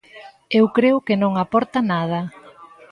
Eu creo que non aporta nada.